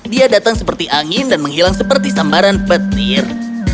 dia datang seperti angin dan menghilang seperti sambaran petir